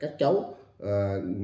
các cháu cần phải có nhiều thời gian